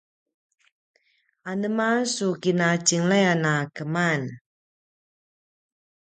anema su kina tjenglay a keman?